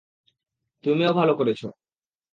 তুমিও ভালো করেছ?